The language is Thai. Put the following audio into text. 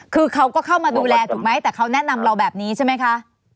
คือเขาก็เข้ามาดูแลถูกไหมแต่เขาแนะนำเราแบบนี้ใช่ไหมคะ